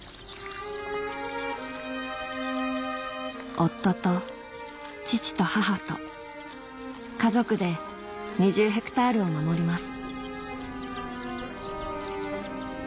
夫と父と母と家族で２０ヘクタールを守ります